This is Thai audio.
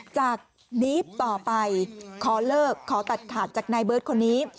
จากนี้ต่อไปขอเลิกขอตัดขาดจากนายเบิร์ตคนนี้